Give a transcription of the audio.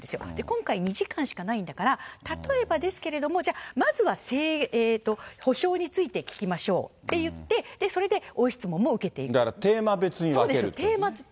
今回、２時間しかないんだから、例えばですけれども、じゃあ、まずは補償について聞きましょうって言って、それで質問を受けてだからテーマ別に分ける。